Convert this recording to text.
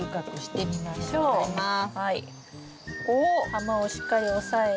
球をしっかり押さえて。